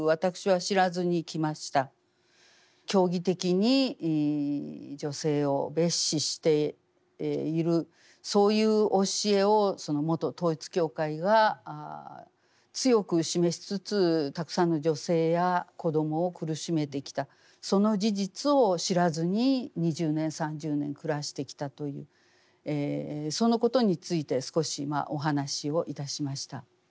教義的に女性を蔑視しているそういう教えを元統一教会が強く示しつつたくさんの女性や子どもを苦しめてきたその事実を知らずに２０年３０年暮らしてきたというそのことについて少しお話をいたしました。